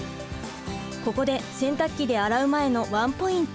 ここで洗濯機で洗う前のワンポイント。